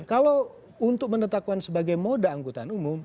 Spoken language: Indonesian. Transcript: kalau untuk menetapkan sebagai moda angkutan umum